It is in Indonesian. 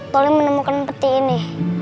tolong menemukan peti ini